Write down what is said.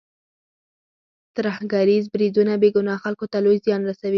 ترهګریز بریدونه بې ګناه خلکو ته لوی زیان رسوي.